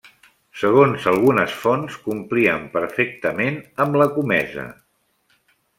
Segons algunes fonts, complien perfectament amb la comesa.